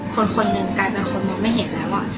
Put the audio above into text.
คนคนหนึ่งกลายเป็นคนมองไม่เห็นแล้ว